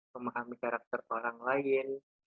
memahami karakter orang lain